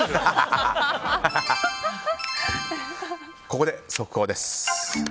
ここで速報です。